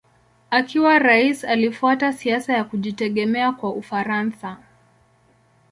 Akiwa rais alifuata siasa ya kujitegemea kwa Ufaransa.